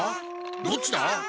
どっちだ？